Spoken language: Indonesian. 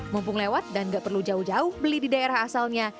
mumpung lewat dan gak perlu jauh jauh beli di daerah asalnya